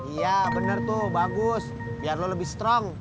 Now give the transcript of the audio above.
iya bener tuh bagus biar lo lebih strong